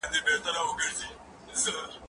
زه به سبا درسونه اورم وم!؟